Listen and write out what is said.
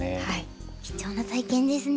貴重な体験ですね。